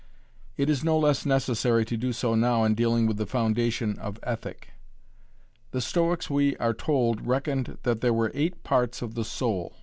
It is no less necessary to do so now in dealing with the foundation of ethic. The Stoics we are told reckoned that there were eight parts of the soul.